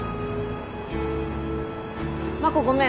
真子ごめん。